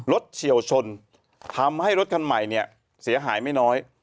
เฉียวชนทำให้รถคันใหม่เนี่ยเสียหายไม่น้อย